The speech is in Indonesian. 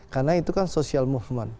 karena itu kan social movement